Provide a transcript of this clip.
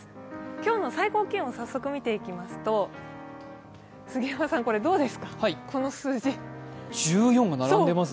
今日の最高気温を早速見ていきますと、杉山さん、この数字どうですか？